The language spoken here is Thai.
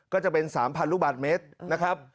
ก็จะเป็น๓๐๐ลูกบาทเมตรนะครับ